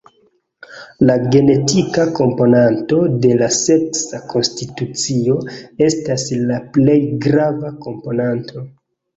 La genetika komponanto de la seksa konstitucio estas la plej grava komponanto.